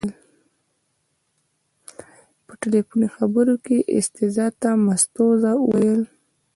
په تلیفوني خبرو کې یې استیضاح ته مستوزا وویل.